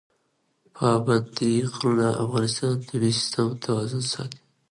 پابندي غرونه د افغانستان د طبعي سیسټم توازن ساتي.